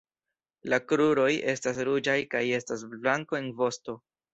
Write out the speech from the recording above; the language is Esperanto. La kruroj estas ruĝaj kaj estas blanko en vosto.